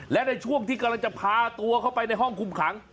และในช่วงที่กำลังจะพาตัวเข้าไปในห้องคุมขัง